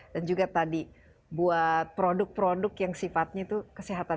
dan juga tadi buat produk produk yang sifatnya itu kesehatan